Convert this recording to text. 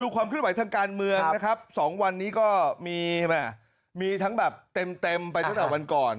ดูความคลิ่นไหวทางการเมืองสองวันนนี้มีทั้งแบบเต็มไปจากวันก่อน